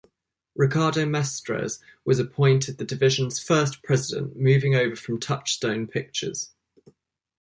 Ricardo Mestres was appointed the division's first president moving over from Touchstone Pictures.